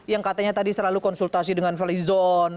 yang katanya tadi selalu konsultasi dengan falizon